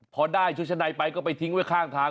พอได้ชุดชะในไปก็ไปทิ้งไว้ข้างทาง